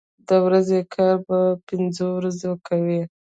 د ورځې کار په پنځو ورځو کوي.